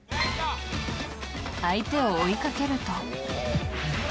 相手を追いかけると。